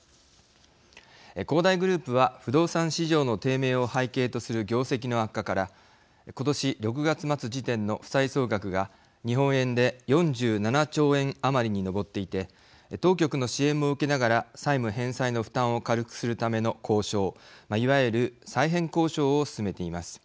恒大グループは不動産市場の低迷を背景とする業績の悪化から今年６月末時点の負債総額が日本円で４７兆円余りに上っていて当局の支援も受けながら債務返済の負担を軽くするための交渉いわゆる再編交渉を進めています。